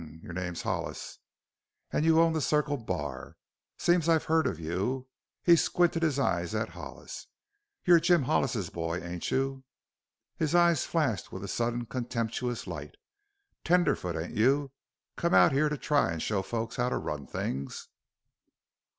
"H'm. Your name's Hollis, an' you own the Circle Bar. Seems I've heard of you." He squinted his eyes at Hollis. "You're Jim Hollis's boy, ain't you?" His eyes flashed with a sudden, contemptuous light. "Tenderfoot, ain't you? Come out here to try an' show folks how to run things?"